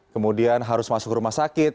kemudian harus masuk rumah sakit